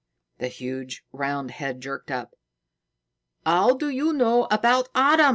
The huge round head jerked up. "How do you know about Adam?